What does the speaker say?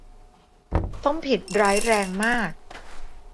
ต้องผิดร้ายแรงมาก